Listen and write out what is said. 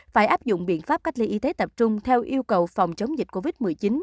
phải áp dụng biện pháp cách ly y tế tập trung theo yêu cầu phòng chống dịch covid một mươi chín